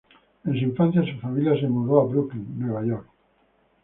En su infancia, su familia se mudó a Brooklyn, Nueva York.